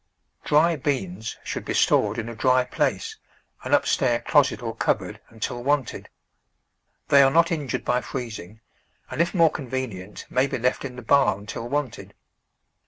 Dry beans should be stored in a dry place — an upstair closet or cupboard — until wanted. They are not injured by freezing, and if more convenient, may be left in the barn till wanted.